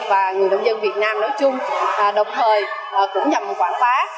và người nông dân việt nam nói chung đồng thời cũng nhằm quảng bá